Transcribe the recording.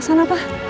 jangan dan jangan é